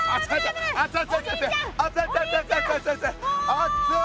あっつい！